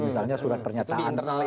misalnya surat pernyataan